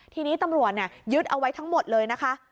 ทีนี้ตำรวจยึดเอาไว้ทั้งหมดเลยนะคะ